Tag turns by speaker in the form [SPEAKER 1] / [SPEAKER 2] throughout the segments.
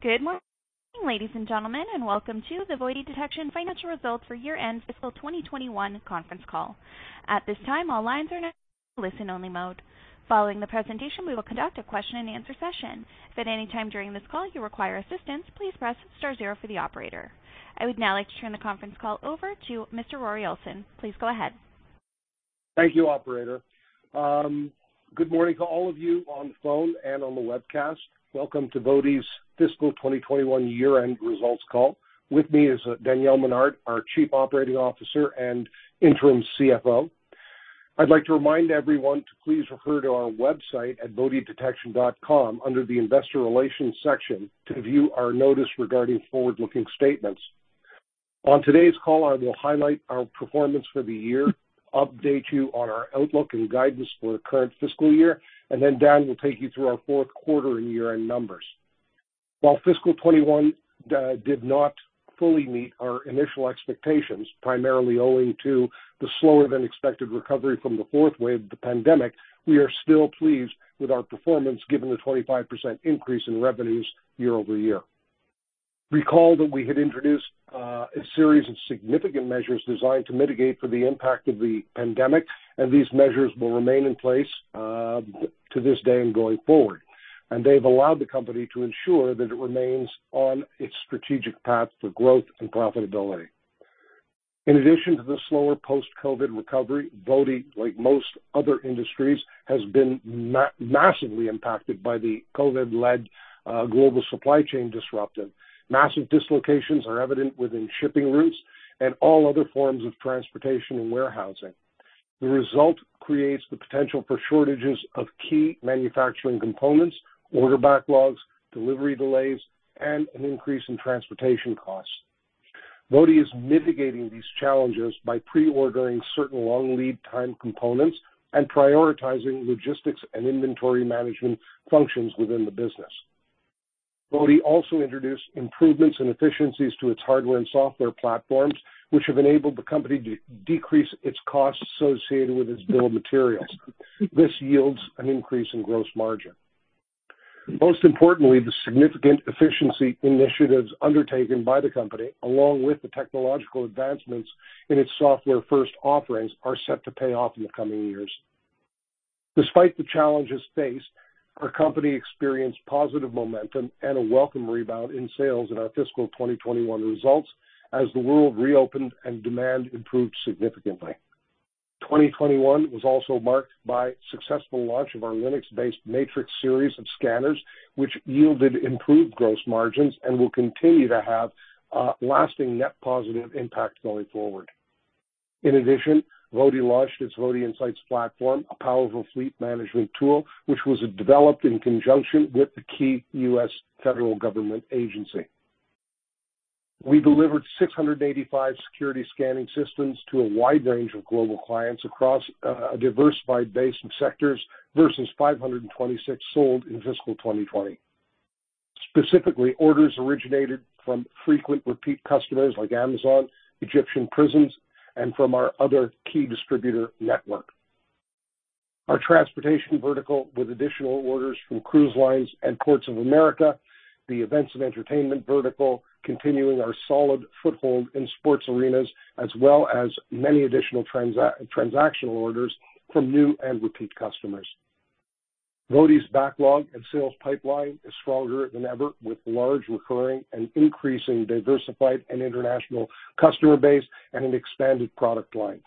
[SPEAKER 1] Good morning, ladies and gentlemen, and welcome to the VOTI Detection financial results for year-end fiscal 2021 Conference Call. At this time, all lines are now in listen-only mode. Following the presentation, we will conduct a question-and-answer session. If at any time during this call you require assistance, please press star zero for the operator. I would now like to turn the conference call over to Mr. Rory Olson. Please go ahead.
[SPEAKER 2] Thank you, operator. Good morning to all of you on the phone and on the webcast. Welcome to VOTI's fiscal 2021 year-end results call. With me is Daniel Menard, our Chief Operating Officer and Interim CFO. I'd like to remind everyone to please refer to our website at votidetection.com under the investor relations section to view our notice regarding forward-looking statements. On today's call, I will highlight our performance for the year, update you on our outlook and guidance for the current fiscal year, and then Dan will take you through our fourth quarter and year-end numbers. While fiscal 2021 did not fully meet our initial expectations, primarily owing to the slower than expected recovery from the fourth wave of the pandemic, we are still pleased with our performance given the 25% increase in revenues year-over-year. Recall that we had introduced a series of significant measures designed to mitigate for the impact of the pandemic, and these measures will remain in place to this day and going forward. They've allowed the company to ensure that it remains on its strategic path to growth and profitability. In addition to the slower post-COVID recovery, VOTI, like most other industries, has been massively impacted by the COVID-led global supply chain disruption. Massive dislocations are evident within shipping routes and all other forms of transportation and warehousing. The result creates the potential for shortages of key manufacturing components, order backlogs, delivery delays, and an increase in transportation costs. VOTI is mitigating these challenges by pre-ordering certain long lead time components and prioritizing logistics and inventory management functions within the business. VOTI also introduced improvements and efficiencies to its hardware and software platforms, which have enabled the company to decrease its costs associated with its bill of materials. This yields an increase in gross margin. Most importantly, the significant efficiency initiatives undertaken by the company, along with the technological advancements in its software-first offerings, are set to pay off in the coming years. Despite the challenges faced, our company experienced positive momentum and a welcome rebound in sales in our fiscal 2021 results as the world reopened and demand improved significantly. 2021 was also marked by successful launch of our Linux-based Matrix series of scanners, which yielded improved gross margins and will continue to have lasting net positive impact going forward. In addition, VOTI launched its VotiINSIGHTS platform, a powerful fleet management tool, which was developed in conjunction with a key US federal government agency. We delivered 685 security scanning systems to a wide range of global clients across a diversified base of sectors versus 526 sold in fiscal 2020. Specifically, orders originated from frequent repeat customers like Amazon, Egyptian prisons, and from our other key distributor network. Our transportation vertical with additional orders from cruise lines and Ports America, the events and entertainment vertical, continuing our solid foothold in sports arenas, as well as many additional transactional orders from new and repeat customers. VOTI's backlog and sales pipeline is stronger than ever, with large recurring and increasing diversified and international customer base and an expanded product line.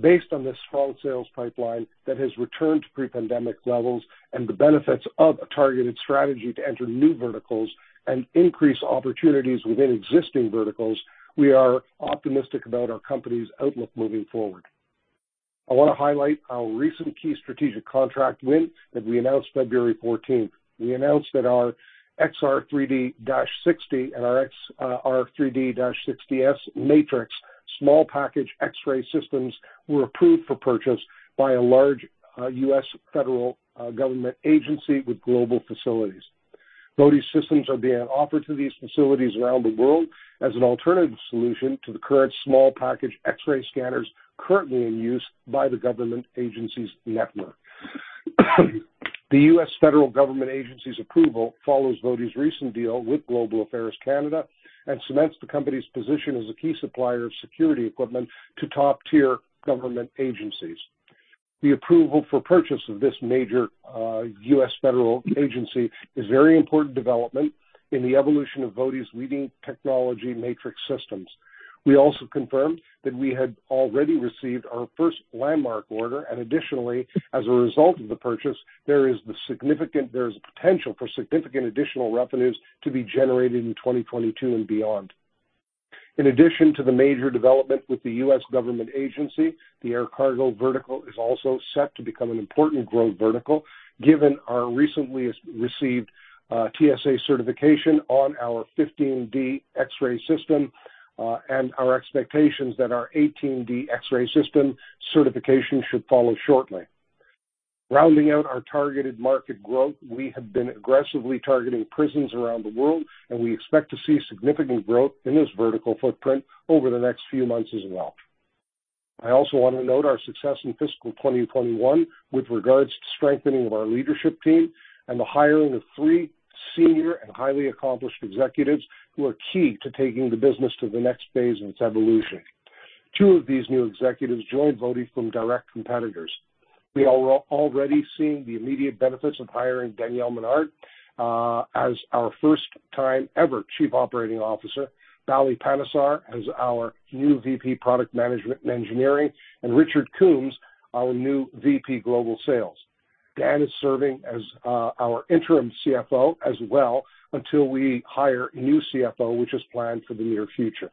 [SPEAKER 2] Based on this strong sales pipeline that has returned to pre-pandemic levels and the benefits of a targeted strategy to enter new verticals and increase opportunities within existing verticals, we are optimistic about our company's outlook moving forward. I want to highlight our recent key strategic contract win that we announced February fourteenth. We announced that our XR3D-60 and our XR3D-60S Matrix small package x-ray systems were approved for purchase by a large US federal government agency with global facilities. VOTI's systems are being offered to these facilities around the world as an alternative solution to the current small package x-ray scanners currently in use by the government agency's network. The US federal government agency's approval follows VOTI's recent deal with Global Affairs Canada and cements the company's position as a key supplier of security equipment to top-tier government agencies. The approval for purchase of this major US federal agency is a very important development in the evolution of VOTI's leading technology Matrix systems. We also confirmed that we had already received our first landmark order, and additionally, as a result of the purchase, there is potential for significant additional revenues to be generated in 2022 and beyond. In addition to the major development with the US government agency, the air cargo vertical is also set to become an important growth vertical, given our recently received TSA certification on our 15D X-ray system, and our expectations that our 18D X-ray system certification should follow shortly. Rounding out our targeted market growth, we have been aggressively targeting prisons around the world, and we expect to see significant growth in this vertical footprint over the next few months as well. I also want to note our success in fiscal 2021 with regards to strengthening of our leadership team and the hiring of three senior and highly accomplished executives who are key to taking the business to the next phase in its evolution. Two of these new executives joined VOTI from direct competitors. We are already seeing the immediate benefits of hiring Daniel Menard as our first time ever Chief Operating Officer, Bally Panesar as our new VP, Product Management and Engineering, and Richard Coombs, our new VP Global Sales. Dan is serving as our interim CFO as well, until we hire a new CFO, which is planned for the near future.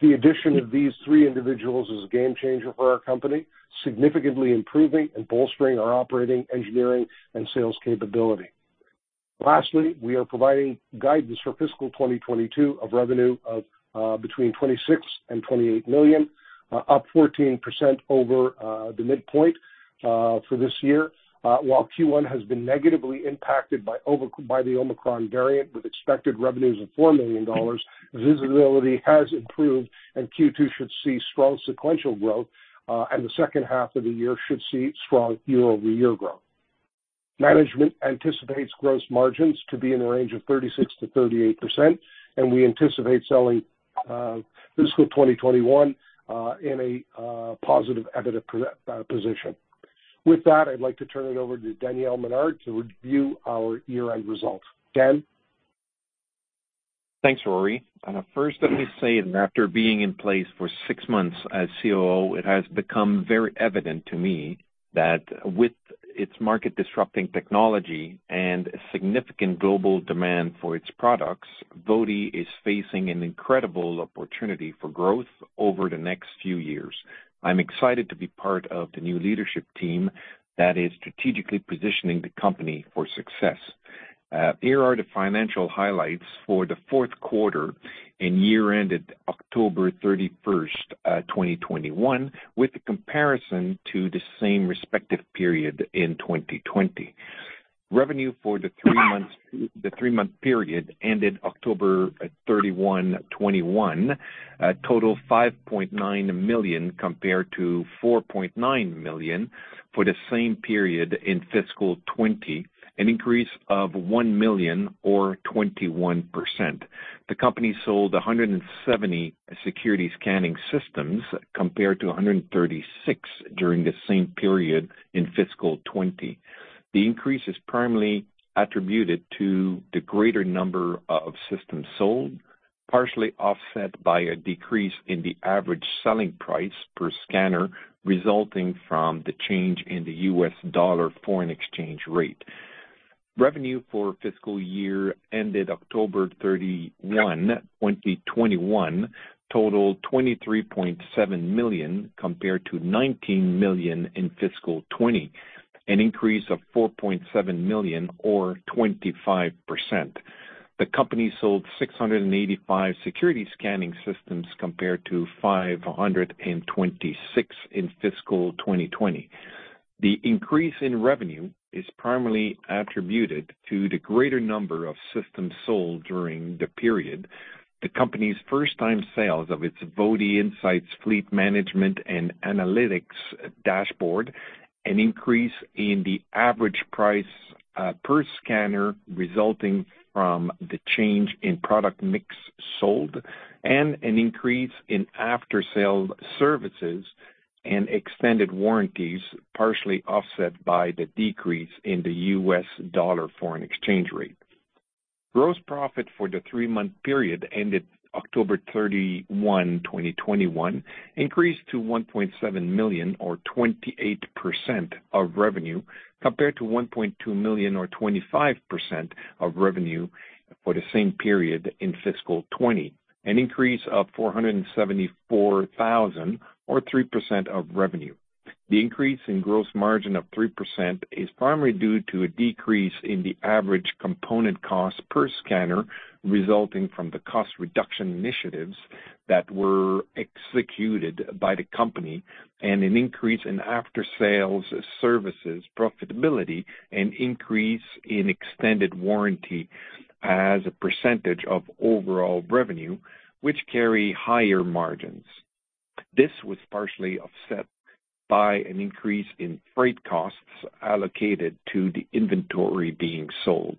[SPEAKER 2] The addition of these three individuals is a game changer for our company, significantly improving and bolstering our operating, engineering, and sales capability. Lastly, we are providing guidance for fiscal 2022 of revenue of between $26 million and $28 million, up 14% over the midpoint for this year. While Q1 has been negatively impacted by the Omicron variant with expected revenues of $4 million, visibility has improved and Q2 should see strong sequential growth, and the second half of the year should see strong year-over-year growth. Management anticipates gross margins to be in the range of 36%-38%, and we anticipate ending fiscal 2021 in a positive, additive position. With that, I'd like to turn it over to Daniel Menard to review our year-end results. Dan?
[SPEAKER 3] Thanks, Rory. First let me say that after being in place for six months as COO, it has become very evident to me that with its market-disrupting technology and significant global demand for its products, VOTI is facing an incredible opportunity for growth over the next few years. I'm excited to be part of the new leadership team that is strategically positioning the company for success. Here are the financial highlights for the fourth quarter and year ended October 31st, 2021, with the comparison to the same respective period in 2020. Revenue for the three-month period ended October 31, 2021, totaled $5.9 million compared to $4.9 million for the same period in fiscal 2020, an increase of $1 million or 21%. The company sold 170 security scanning systems, compared to 136 during the same period in fiscal 2020. The increase is primarily attributed to the greater number of systems sold, partially offset by a decrease in the average selling price per scanner, resulting from the change in the US dollar foreign exchange rate. Revenue for fiscal year ended October 31, 2021 totaled $23.7 million compared to $19 million in fiscal 2020, an increase of $4.7 million or 25%. The company sold 685 security scanning systems compared to 526 in fiscal 2020. The increase in revenue is primarily attributed to the greater number of systems sold during the period. The company's first-time sales of its VotiINSIGHTS fleet management and analytics dashboard, an increase in the average price per scanner resulting from the change in product mix sold, and an increase in after-sale services and extended warranties, partially offset by the decrease in the US dollar foreign exchange rate. Gross profit for the three-month period ended October 31, 2021 increased to $1.7 million or 28% of revenue, compared to$1.2 million or 25% of revenue for the same period in fiscal 2020, an increase of $474,000 or 3% of revenue. The increase in gross margin of 3% is primarily due to a decrease in the average component cost per scanner resulting from the cost reduction initiatives that were executed by the company and an increase in after-sales services profitability and increase in extended warranty as a percentage of overall revenue, which carry higher margins. This was partially offset by an increase in freight costs allocated to the inventory being sold.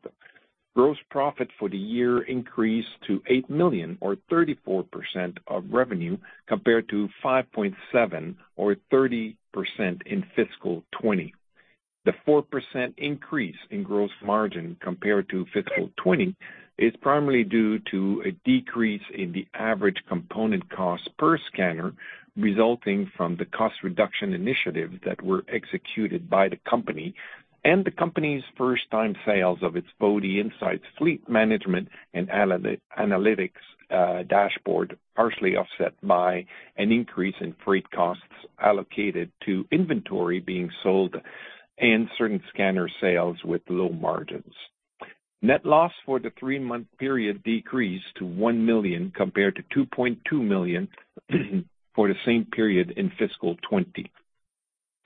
[SPEAKER 3] Gross profit for the year increased to $8 million or 34% of revenue, compared to $5.7 million or 30% in fiscal 2020. The 4% increase in gross margin compared to fiscal 2020 is primarily due to a decrease in the average component cost per scanner resulting from the cost reduction initiatives that were executed by the company and the company's first-time sales of its VotiINSIGHTS fleet management and analytics dashboard, partially offset by an increase in freight costs allocated to inventory being sold and certain scanner sales with low margins. Net loss for the three month period decreased to $1 million compared to $2.2 million for the same period in fiscal 2020.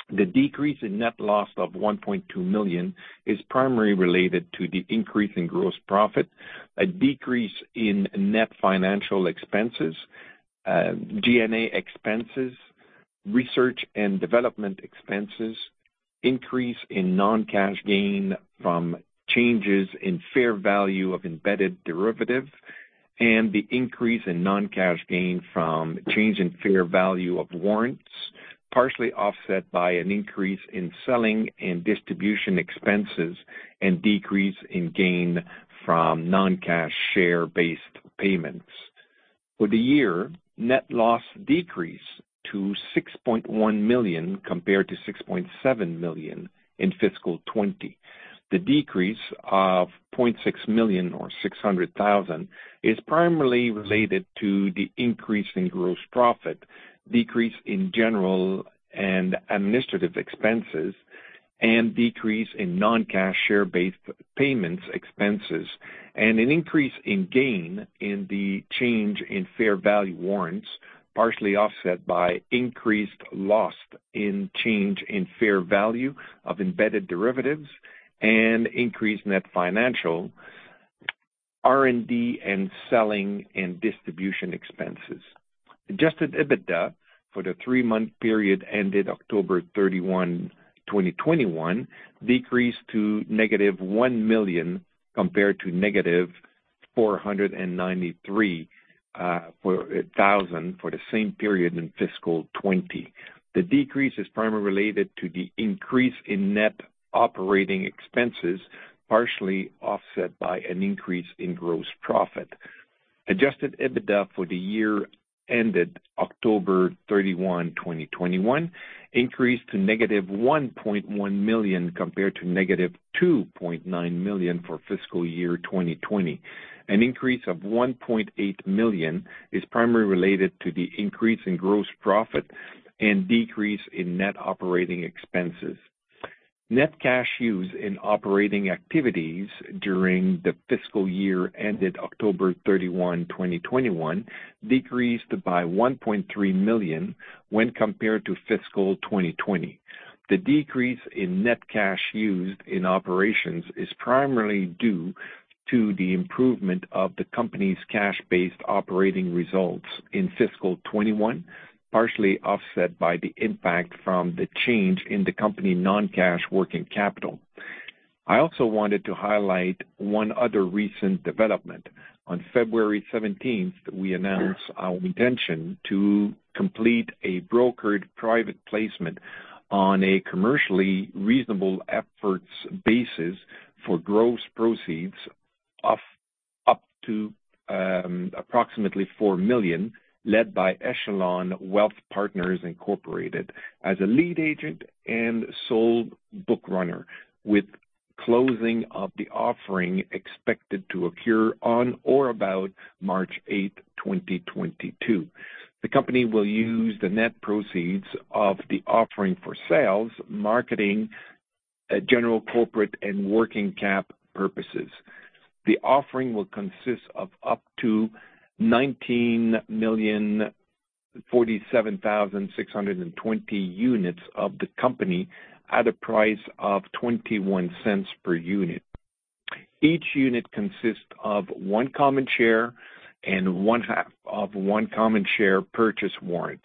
[SPEAKER 3] The decrease in net loss of $1.2 million is primarily related to the increase in gross profit, a decrease in net financial expenses, G&A expenses, research and development expenses, increase in non-cash gain from changes in fair value of embedded derivative, and the increase in non-cash gain from change in fair value of warrants, partially offset by an increase in selling and distribution expenses and decrease in gain from non-cash share-based payments. For the year, net loss decreased to $6.1 million compared to $6.7 million in fiscal 2020. The decrease of $0.6 million or $600,000 is primarily related to the increase in gross profit, decrease in general and administrative expenses, and decrease in non-cash share-based payments expenses, and an increase in gain in the change in fair value warrants, partially offset by increased loss in change in fair value of embedded derivatives and increased net financial R&D and selling and distribution expenses. Adjusted EBITDA for the three-month period ended October 31, 2021 decreased to -$1 million compared to -$493,000 for the same period in fiscal 2020. The decrease is primarily related to the increase in net operating expenses, partially offset by an increase in gross profit. Adjusted EBITDA for the year ended October 31, 2021 increased to -$1.1 million compared to -$2.9 million for fiscal year 2020. An increase of $1.8 million is primarily related to the increase in gross profit and decrease in net operating expenses. Net cash used in operating activities during the fiscal year ended October 31, 2021 decreased by $1.3 million when compared to fiscal 2020. The decrease in net cash used in operations is primarily due to the improvement of the company's cash-based operating results in fiscal 2021, partially offset by the impact from the change in the company non-cash working capital. I also wanted to highlight one other recent development. On February 17th, we announced our intention to complete a brokered private placement on a commercially reasonable efforts basis for gross proceeds of up to approximately $4 million, led by Echelon Wealth Partners Inc. as a lead agent and sole book runner, with closing of the offering expected to occur on or about March 8th, 2022. The company will use the net proceeds of the offering for sales, marketing, general corporate, and working cap purposes. The offering will consist of up to 19,047,620 units of the company at a price of $0.21 per unit. Each unit consists of one common share and one half of one common share purchase warrant.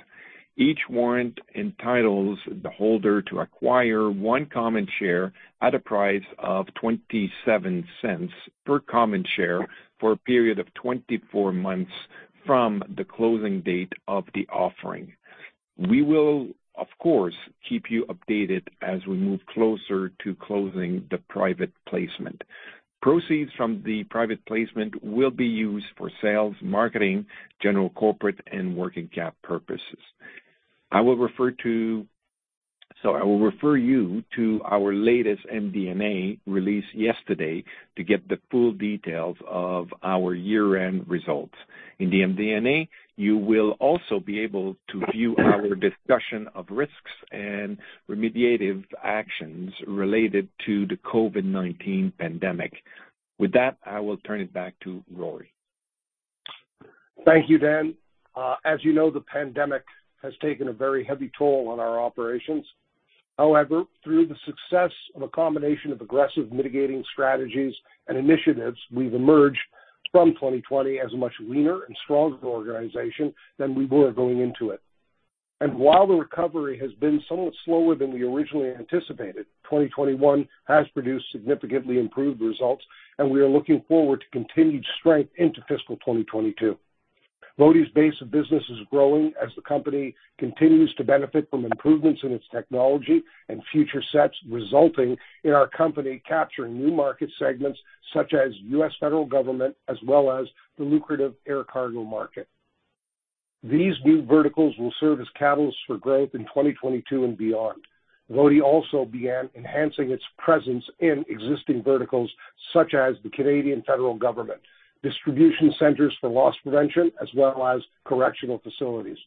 [SPEAKER 3] Each warrant entitles the holder to acquire one common share at a price of $0.27 per common share for a period of 24 months from the closing date of the offering. We will, of course, keep you updated as we move closer to closing the private placement. Proceeds from the private placement will be used for sales, marketing, general corporate, and working cap purposes. I will refer you to our latest MD&A release yesterday to get the full details of our year-end results. In the MD&A, you will also be able to view our discussion of risks and remediative actions related to the COVID-19 pandemic. With that, I will turn it back to Rory.
[SPEAKER 2] Thank you, Dan. As you know, the pandemic has taken a very heavy toll on our operations. However, through the success of a combination of aggressive mitigating strategies and initiatives, we've emerged from 2020 as a much leaner and stronger organization than we were going into it. While the recovery has been somewhat slower than we originally anticipated, 2021 has produced significantly improved results, and we are looking forward to continued strength into fiscal 2022. VOTI's base of business is growing as the company continues to benefit from improvements in its technology and feature sets, resulting in our company capturing new market segments such as US federal government as well as the lucrative air cargo market. These new verticals will serve as catalysts for growth in 2022 and beyond. VOTI also began enhancing its presence in existing verticals such as the Canadian federal government, distribution centers for loss prevention, as well as correctional facilities.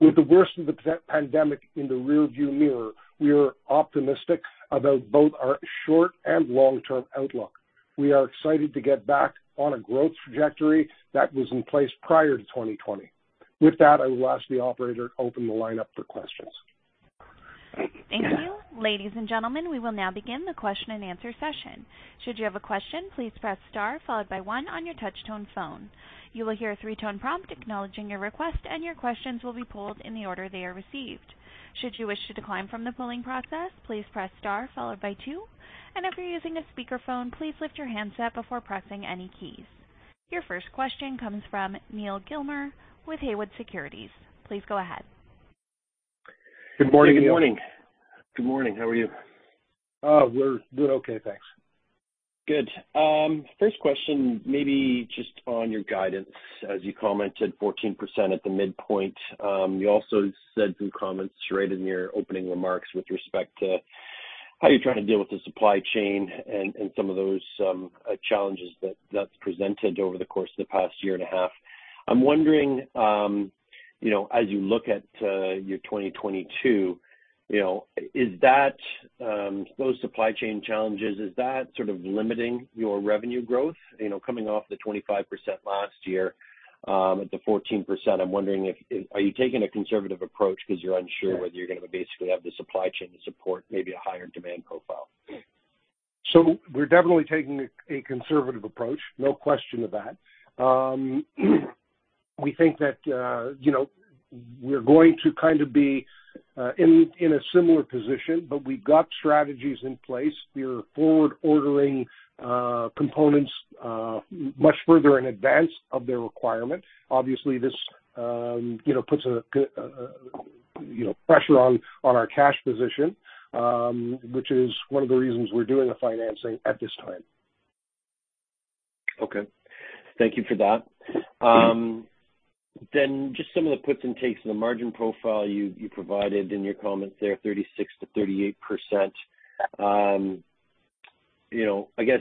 [SPEAKER 2] With the worst of the pandemic in the rear-view mirror, we are optimistic about both our short and long-term outlook. We are excited to get back on a growth trajectory that was in place prior to 2020. With that, I will ask the operator to open the line up for questions.
[SPEAKER 1] Thank you. Ladies and gentlemen, we will now begin the question-and-answer session. Should you have a question, please press star followed by one on your touch tone phone. You will hear a three-tone prompt acknowledging your request, and your questions will be pulled in the order they are received. Should you wish to decline from the polling process, please press star followed by two. If you're using a speakerphone, please lift your handset before pressing any keys. Your first question comes from Neal Gilmer with Haywood Securities. Please go ahead.
[SPEAKER 2] Good morning, Neal.
[SPEAKER 4] Good morning. How are you? We're doing okay, thanks. Good. First question may be just on your guidance. As you commented, 14% at the midpoint. You also said through comments right in your opening remarks with respect to how you're trying to deal with the supply chain and some of those challenges that that's presented over the course of the past year and a half. I'm wondering, you know, as you look at your 2022, you know, is that those supply chain challenges, is that sort of limiting your revenue growth? You know, coming off the 25% last year, at the 14%, I'm wondering if you are taking a conservative approach because you're unsure whether you're gonna basically have the supply chain to support maybe a higher demand profile?
[SPEAKER 2] We're definitely taking a conservative approach, no question of that. We think that we're going to kind of be in a similar position, but we've got strategies in place. We're forward ordering components much further in advance of the requirement. Obviously, this puts pressure on our cash position, which is one of the reasons we're doing the financing at this time.
[SPEAKER 4] Okay. Thank you for that. Just some of the puts and takes in the margin profile you provided in your comments there, 36%-38%. You know, I guess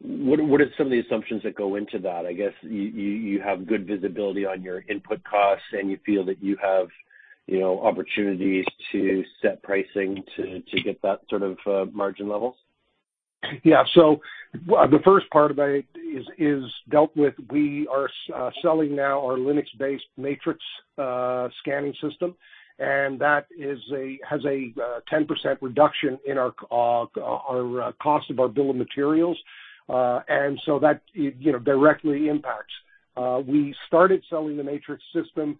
[SPEAKER 4] what are some of the assumptions that go into that? I guess you have good visibility on your input costs, and you feel that you have, you know, opportunities to set pricing to get that sort of margin levels.
[SPEAKER 2] Yeah. The first part of it is dealt with. We are selling now our Linux-based Matrix scanning system, and that has a 10% reduction in our cost of our bill of materials. And that, you know, directly impacts. We started selling the Matrix system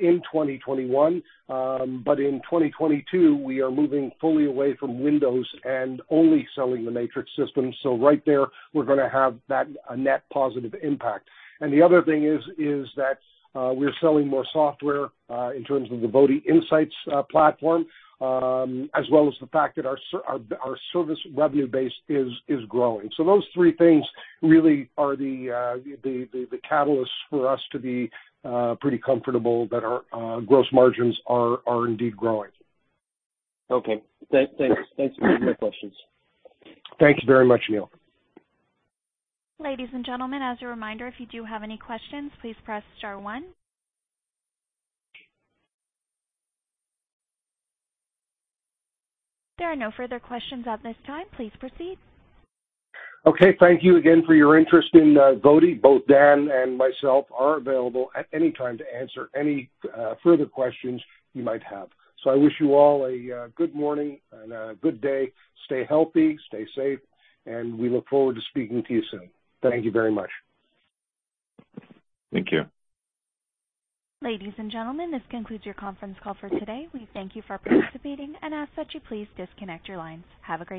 [SPEAKER 2] in 2021. In 2022, we are moving fully away from Windows and only selling the Matrix system. Right there, we're gonna have that net positive impact. The other thing is that we're selling more software in terms of the VotiINSIGHTS platform, as well as the fact that our service revenue base is growing. Those three things really are the catalyst for us to be pretty comfortable that our gross margins are indeed growing.
[SPEAKER 4] Okay. Thanks for taking my questions.
[SPEAKER 2] Thank you very much, Neal.
[SPEAKER 1] Ladies and gentlemen, as a reminder, if you do have any questions, please press star one. There are no further questions at this time. Please proceed.
[SPEAKER 2] Okay. Thank you again for your interest in VOTI. Both Dan and myself are available at any time to answer any further questions you might have. I wish you all a good morning and a good day. Stay healthy, stay safe, and we look forward to speaking to you soon. Thank you very much.
[SPEAKER 3] Thank you.
[SPEAKER 1] Ladies and gentlemen, this concludes your conference call for today. We thank you for participating and ask that you please disconnect your lines. Have a great day.